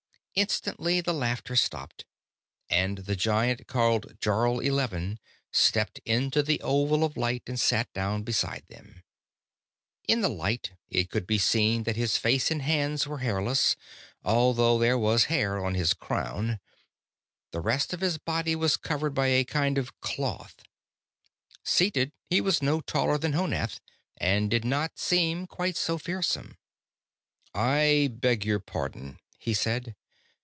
Instantly, the laughter stopped, and the Giant called Jarl Eleven stepped into the oval of light and sat down beside them. In the light, it could be seen that his face and hands were hairless, although there was hair on his crown; the rest of his body was covered by a kind of cloth. Seated, he was no taller than Honath, and did not seem quite so fearsome. "I beg your pardon," he said.